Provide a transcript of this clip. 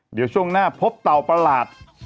เดี๋ยวช่วงหน้าพบเต่าประหลาด